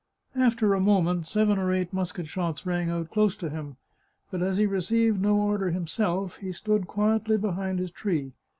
After a moment seven or eight musket shots rang out close to him, but as he received no order himself he stood quietly behind his tree.